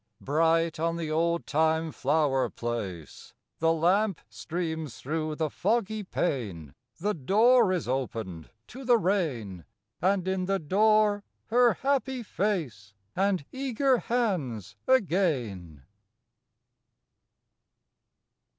Bright on the old time flower place The lamp streams through the foggy pane. The door is opened to the rain; And in the door her happy face, And eager hands again.